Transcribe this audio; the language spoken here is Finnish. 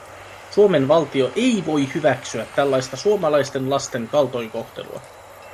Suomen valtio ei voi hyväksyä tällaista suomalaisten lasten kaltoinkohtelua.